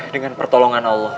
dengan pertolongan allah